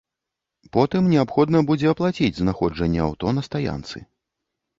Потым неабходна будзе аплаціць знаходжанне аўто на стаянцы.